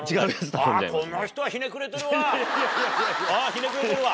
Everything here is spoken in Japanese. ひねくれてるわ。